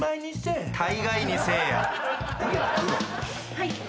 はい。